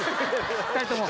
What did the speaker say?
２人とも。